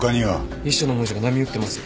遺書の文字が波打ってます。